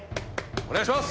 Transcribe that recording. お願いします！